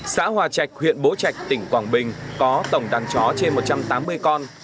xã hòa trạch huyện bố trạch tỉnh quảng bình có tổng đàn chó trên một trăm tám mươi con